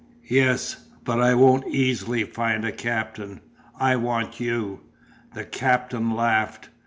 "Yes, but I won't easily find a captain. I want you." The Captain laughed.